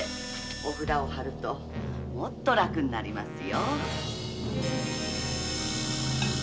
お札を貼るともっと楽になりますよ。